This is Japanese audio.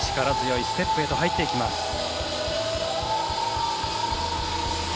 力強いステップへと入っていきます。